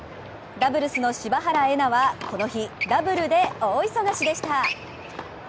ダブルスの柴原瑛菜はこの日、ダブルで大忙しでした。